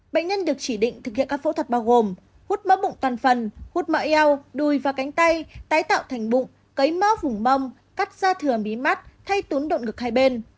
bệnh nhân được chỉ định thực hiện các phẫu thuật bao gồm hút mỡ bụng toàn phần hút mỡ eo đùi và cánh tay tái tạo thành bụng cấy mó vùng mông cắt da thừa mí mắt hay tốn động ngực hai bên